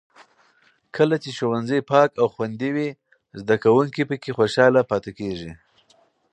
کله چې ښوونځي پاک او خوندي وي، زده کوونکي پکې خوشحاله پاتې کېږي.